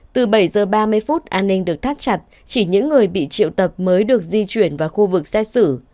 từ bảy h ba mươi phút an ninh được thắt chặt chỉ những người bị triệu tập mới được di chuyển vào khu vực xét xử